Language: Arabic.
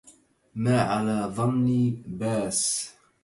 ما على ظني باس